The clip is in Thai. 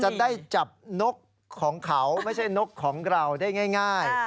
จะได้จับนกของเขาไม่ใช่นกของเราได้ง่าย